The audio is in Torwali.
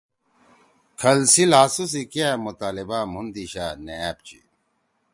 کھل سی لھاسُو سی کیا مطالبہ مھُون دِیشا نے أپ چی